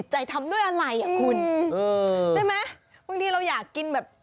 ใจทำด้วยอะไรอ่ะคุณใช่ไหมบางทีเราอยากกินแบบ